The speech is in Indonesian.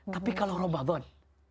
tapi kalau ramadan